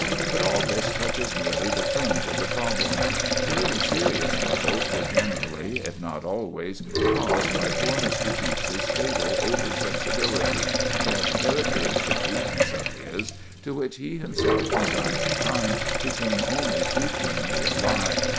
But all this touches merely the fringe of the problem. The really serious troubles were generally, if not always, caused by poor Mr. Pepys's fatal over sensibility—that characteristic weakness of his, to which he himself from time to time became only too keenly alive.